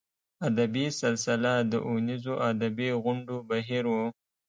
ادبي سلسله د اوونیزو ادبي غونډو بهیر و.